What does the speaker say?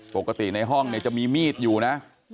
ปกติในห้องเนี่ยจะมีมีดอยู่นะ